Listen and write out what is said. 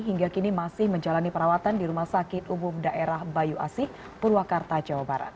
hingga kini masih menjalani perawatan di rumah sakit umum daerah bayu asih purwakarta jawa barat